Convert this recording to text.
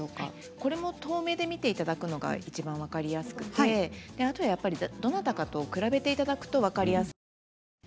これも遠目で見ていただくのがいちばん分かりやすくてあとどなたかと比べていただくと分かりやすいですね。